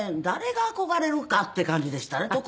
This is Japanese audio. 誰が憧れるかって感じでしたね